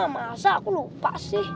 masa aku lupa